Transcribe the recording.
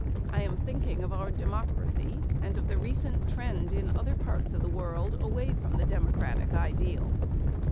I am thinking of our democracy and of the recent trend in other parts of the world away from the democratic ideal.